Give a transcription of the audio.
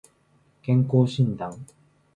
健康診断